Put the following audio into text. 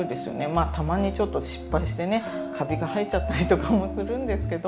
たまにちょっと失敗してねかびが生えちゃったりとかもするんですけど。